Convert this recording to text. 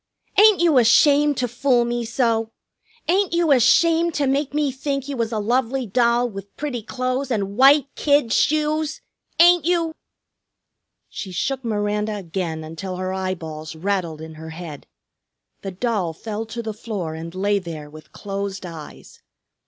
"Ain't you ashamed to fool me so? Ain't you ashamed to make me think you was a lovely doll with pretty clo'es and white kid shoes? Ain't you?" She shook Miranda again until her eyeballs rattled in her head. The doll fell to the floor and lay there with closed eyes.